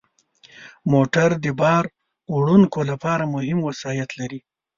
موټر د بار وړونکو لپاره مهم وسایط لري.